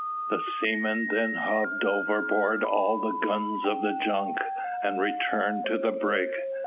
The seamen then hove overboard all the guns of the junk, and returned to the brig.